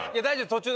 大丈夫。